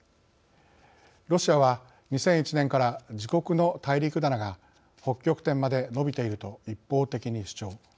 ロシアは２００１年から自国の大陸棚が北極点まで伸びていると一方的に主張。